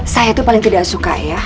saya itu paling tidak suka ya